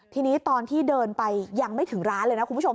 ทีนี้ตอนที่เดินไปยังไม่ถึงร้านเลยนะคุณผู้ชม